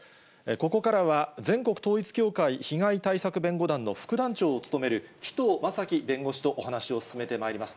ここからは、全国統一教会被害対策弁護団の副団長を務める、紀藤正樹弁護士とお話を進めてまいります。